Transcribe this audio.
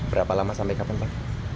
berapa lama sampai kapan pak